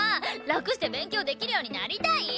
楽して勉強できるようになりたい！